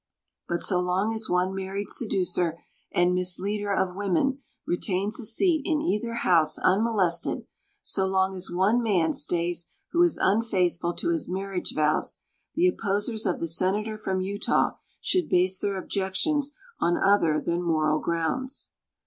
But so long as one married seducer and misleader of women retains a seat in either house unmolested, so long as one man stays who is unfaithful to his marriage vows, the opposers of the Senator from Utah should base their objections on other than moral grounds.